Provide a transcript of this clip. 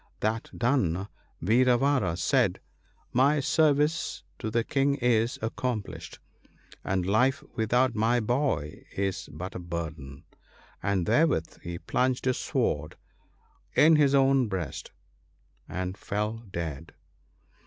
That done, Vira vara said, ' My service to the King is accom plished, and life without my boy is but a burden,' and therewith he plunged his sword in his own breast and fell dead.